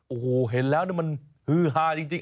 โอ้โหเห็นแล้วนี่มันฮือฮาจริง